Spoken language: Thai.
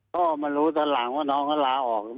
พ่อมารู้ตอนหลังว่าน้องเขาลาออก